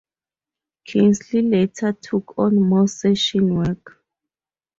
Kinsley later took on more session work.